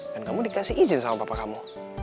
dan kamu dikasih izin sama papa kamu